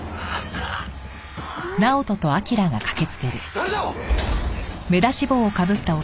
誰だ！？